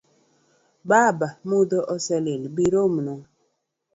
Baba mudho ose lil biromna.